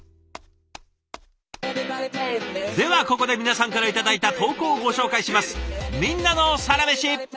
ではここで皆さんから頂いた投稿をご紹介します。